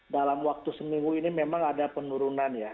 dalam waktu seminggu ini memang ada penurunan ya